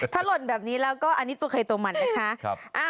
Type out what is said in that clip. ถ้าหล่นแบบนี้แล้วก็อันนี้ตัวใครตัวมันนะคะ